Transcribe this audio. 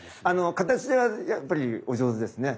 形ではやっぱりお上手ですね。